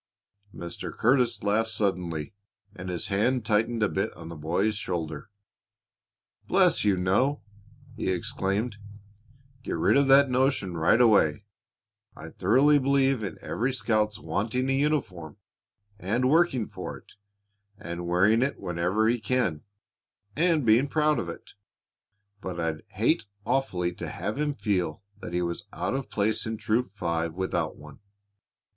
Mr. Curtis laughed suddenly, and his hand tightened a bit on the boy's shoulder. "Bless you, no!" he exclaimed. "Get rid of that notion right away. I thoroughly believe in every scout's wanting a uniform, and working for it, and wearing it whenever he can, and being proud of it, but I'd hate awfully to have him feel that he was out of place in Troop Five without one.